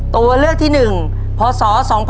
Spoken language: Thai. ตัวเลือกที่๑พศ๒๕๖